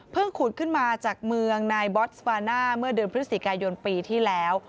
ขุดขึ้นมาจากเมืองนายบอสบาน่าเมื่อเดือนพฤศจิกายนปีที่แล้ว